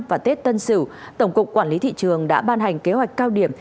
và tết tân sửu tổng cục quản lý thị trường đã ban hành kế hoạch cao điểm